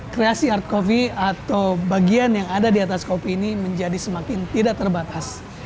kreasi art coffee atau bagian yang ada di atas kopi ini menjadi semakin tidak terbatas